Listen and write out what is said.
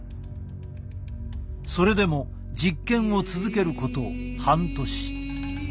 それでも実験を続けること半年。